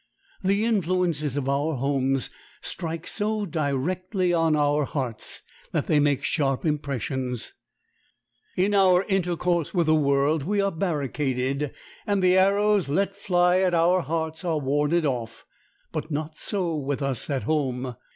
The influences of our homes strike so directly on our hearts that they make sharp impressions. In our intercourse with the world we are barricaded, and the arrows let fly at our hearts are warded off; but not so with us at home.